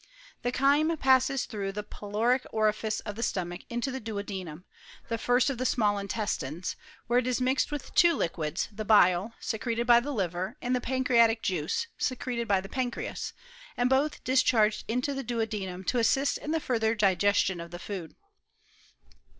The chyme passes through the pyloric nrifice of the stomach into the duodenum, the first of the small intestines, where it is mixed with two liquids, the bile, secreted by the liver, andthe pancreatic juice, secreted by the pancreas, and both dischai^cd into the duodenum to assist in the further digestion of the food.